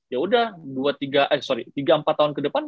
yaudah tiga empat tahun ke depan